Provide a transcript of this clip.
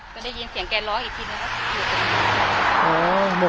ก็ได้ยินเสียงแกล้วอีกทีแล้ว